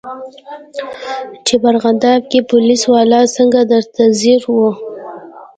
چې په ارغندې کښې پوليس والا څنګه درته ځير و.